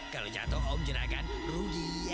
kalau jatuh om juragan rugi ya